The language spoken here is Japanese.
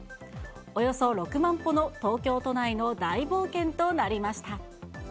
およそ６万歩の東京都内の大冒険となりました。